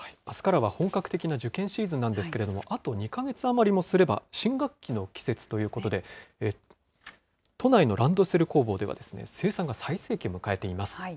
あすからは本格的な受験シーズンなんですけれども、あと２か月余りもすれば、新学期の季節ということで、都内のランドセル工房では生産が最盛期を迎えています。